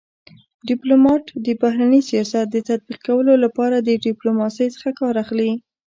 ډيپلومات دبهرني سیاست د تطبيق کولو لپاره د ډيپلوماسی څخه کار اخلي.